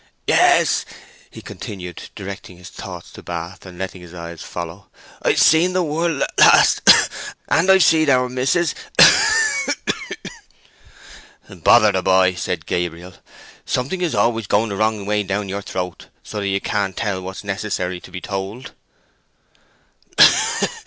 "Yes," he continued, directing his thoughts to Bath and letting his eyes follow, "I've seed the world at last—yes—and I've seed our mis'ess—ahok hok hok!" "Bother the boy!" said Gabriel. "Something is always going the wrong way down your throat, so that you can't tell what's necessary to be told."